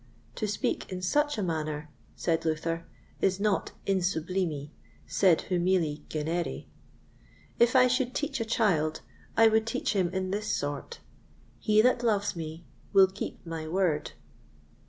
To speak in such a manner, said Luther, is not in sublimi, sed humili genere: if I should teach a child, I would teach him in this sort: "He that loves me, will keep my Word."